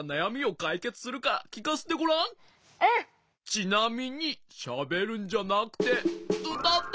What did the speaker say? ちなみにしゃべるんじゃなくてうたって。